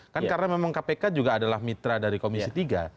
kan karena memang kpk juga adalah mitra dari komisi tiga